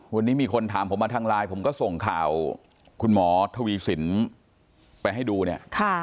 วันนี้มีคนถามผมมาทางไลน์ผมก็ส่งข่าวคุณหมอทวีสินไปให้ดูเนี่ย